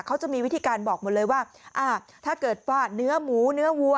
เขาจะมีวิธีการบอกหมดเลยว่าอ่าถ้าเกิดว่าเนื้อหมูเนื้อวัว